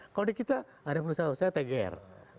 kalau di kita ada perusahaan perusahaan tgr